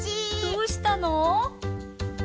どうしたの？